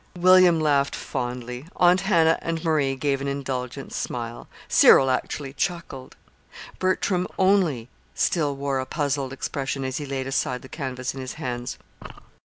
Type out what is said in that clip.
William laughed fondly. Aunt Hannah and Marie gave an indulgent smile. Cyril actually chuckled. Bertram only still wore a puzzled expression as he laid aside the canvas in his hands.